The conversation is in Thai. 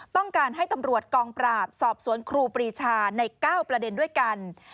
ต้องการให้ตำรวจกองปราบสอบสวนครูปรีชาใน๙ประเด็นด้วยกัน